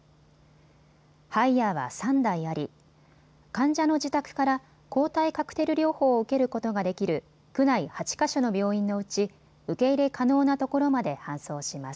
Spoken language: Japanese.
ハイヤーは３台あり患者の自宅から抗体カクテル療法を受けることができる区内８か所の病院のうち受け入れ可能なところまで搬送します。